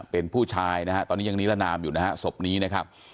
เป็นผู้ชายนะฮะตอนนี้ยังนิรนามอยู่นะฮะศพนี้นะครับ